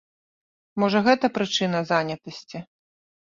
Можа гэта прычына занятасці?